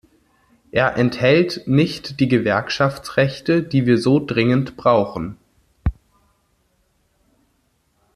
Er enthält nicht die Gewerkschaftsrechte, die wir so dringend brauchen.